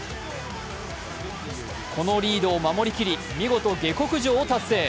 このリードを守り切り、見事下克上を達成。